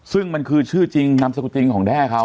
ซึ่งมันคือชื่อจริงนามสกุลจริงของแด้เขา